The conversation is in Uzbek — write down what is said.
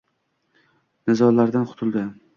Nizolardan qutuldi.